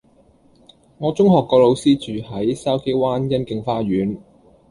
我中學個老師住喺筲箕灣欣景花園